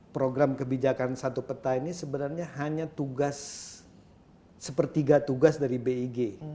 program kebijakan satu peta ini sebenarnya hanya tugas sepertiga tugas dari big